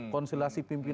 konselasi pimpinan depan